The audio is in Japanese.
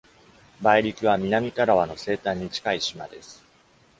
バイリキは、南タラワの西端に近い島です。